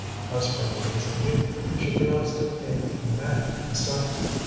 As for my vis a vis, she pronounced it a "maddening sight."